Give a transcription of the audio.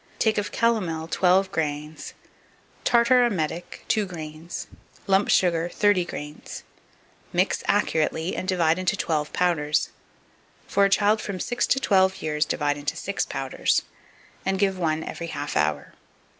2571. Take of calomel, 12 grains; tartar emetic, 2 grains; lump sugar, 30 grains. Mix accurately, and divide into 12 powders. For a child from six to twelve years, divide into 6 powders, and give one every half hour.